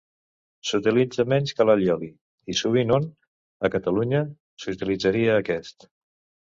S'utilitza menys que l'allioli, i sovint on, a Catalunya, s'utilitzaria aquest.